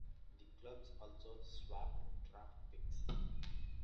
The clubs also swapped draft picks.